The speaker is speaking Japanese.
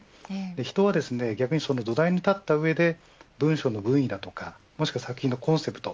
人は逆にその土台に立った上で文書の上にもしくは作品のコンセプト